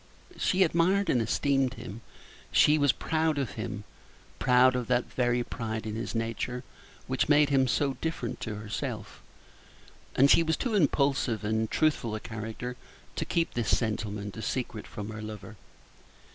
She admired and esteemed him; she was proud of him proud of that very pride in his nature which made him so different to herself, and she was too impulsive and truthful a creature to keep this sentiment a secret from her lover.